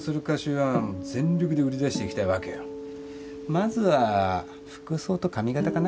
まずは服装と髪形かな。